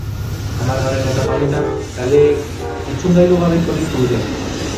Hamargarren etapa honetan taldeek entzungailu gabe korritu dute.